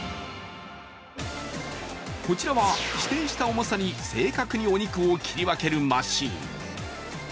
こちらは指定した重さに正確にお肉を切り分けるマシン。